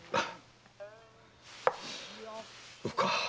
そうか。